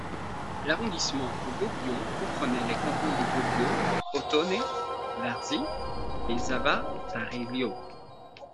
L'arrondissement de Bobbio comprenait les cantons de Bobbio, Ottone, Varzi et Zavattarello.